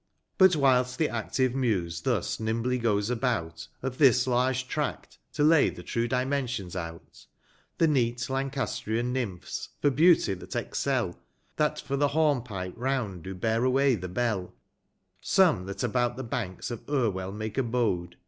But whilst the active Muse thus nimbly goes about, Of this large tract to lay the true dimensions* out, 20 The neat Lancastrian Nymphs, for beauty that excell, That for the Horn pipet round do bear away the bell ; Some that about the banks of Envell make abode.